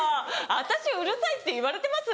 私「うるさい」って言われてます？